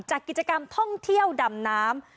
จากกิจกรรมท่องเที่ยวดำน้ำ